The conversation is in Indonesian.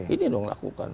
ini dong lakukan